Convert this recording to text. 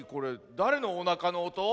だれのおなかのおと？